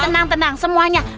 tenang tenang semuanya